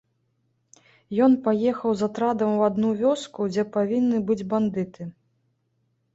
Ён паехаў з атрадам у адну вёску, дзе павінны быць бандыты.